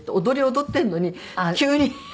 踊り踊ってんのに急に。